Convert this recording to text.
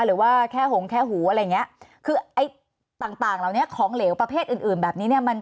หรือว่าแค่หงแค่หูอะไรอย่างเงี้ยคือต่างเราเนี่ยของเหลวประเภทอื่นแบบนี้เนี่ย